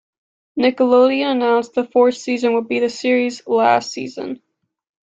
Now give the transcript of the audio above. Nickelodeon announced the fourth season would be the series' last season.